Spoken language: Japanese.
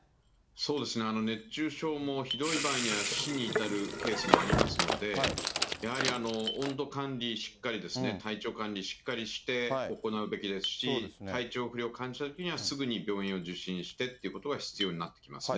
そうですね、熱中症もひどい場合には死に至るケースもありますので、やはり温度管理しっかり、体調管理しっかりして行うべきですし、体調不良を感じたときには、すぐに病院を受診してっていうことが必要になってきますね。